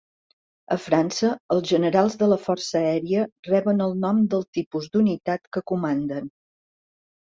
A França, els generals de la força aèria reben el nom del tipus d'unitat que comanden.